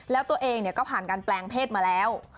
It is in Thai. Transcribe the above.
แล้วตัวเองก็ผ่านการแปลงเพศมาแล้ว